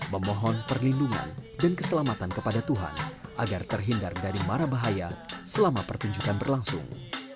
memohon perlindungan dan keselamatan kepada tuhan agar terhindar dari marah bahaya selama pertunjukan berlangsung